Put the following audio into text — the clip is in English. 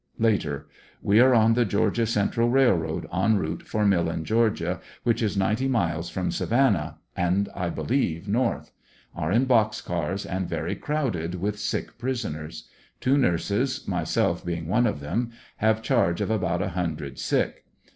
Later — We are on the Georgia Central Rail road, en route for Millen, Ga . which is ninety miles from Savan nah, and I believe north. Are in box cars and very crowded with sick prisoners. Two nurses, myself being one of them, have charge of about a hundred sick.